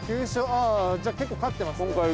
９勝じゃあ結構勝ってますね。